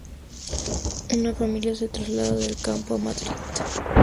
Una familia se traslada del campo a Madrid.